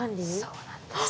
そうなんです。